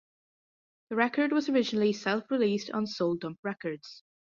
The record was originally self-released on Soul Dump Records.